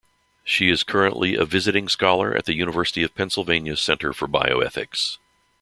She is currently a Visiting Scholar at the University of Pennsylvania Center for Bioethics.